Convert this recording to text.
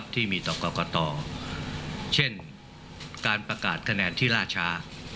ที่มีต่อกรกตเช่นการประกาศคะแนนที่ล่าช้า